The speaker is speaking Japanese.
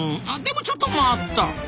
あでもちょっと待った！